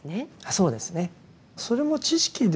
そうですね。